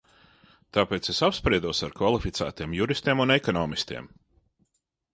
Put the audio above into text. Tāpēc es apspriedos ar kvalificētiem juristiem un ekonomistiem.